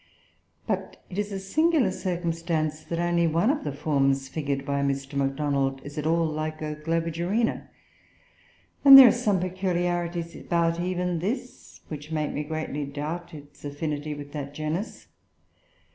But it is a singular circumstance that only one of the forms figured by Mr. Macdonald is at all like a Globigerina, and there are some peculiarities about even this which make me greatly doubt its affinity with that genus.